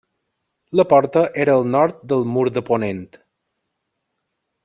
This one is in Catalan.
La porta era al nord del mur de ponent.